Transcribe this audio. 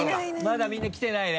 まだみんなきてないね？